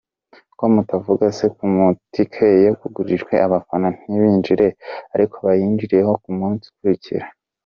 Ko mutavuga se ku ma tickets yagurishijwe abafana ntibinjire! Ariko bayinjiriyeho ku munsi ukurikira.